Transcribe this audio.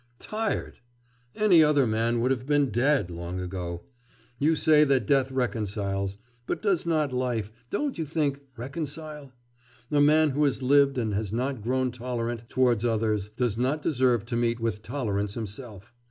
'Tired! Any other man would have been dead long ago. You say that death reconciles; but does not life, don't you think, reconcile? A man who has lived and has not grown tolerant towards others does not deserve to meet with tolerance himself.